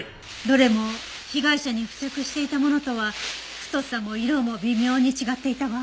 どれも被害者に付着していたものとは太さも色も微妙に違っていたわ。